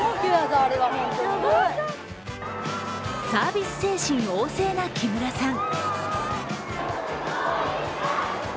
サービス精神旺盛な木村さん。